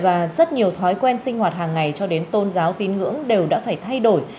và rất nhiều thói quen sinh hoạt hàng ngày cho đến tôn giáo tín ngưỡng đều đã phải thay đổi